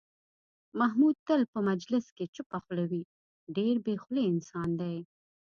محمود تل په مجلس کې چوپه خوله وي، ډېر بې خولې انسان دی.